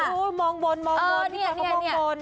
หูมองบน